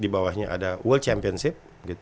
di bawahnya ada world championship